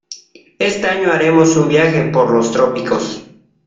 Este año haremos un viaje por los trópicos.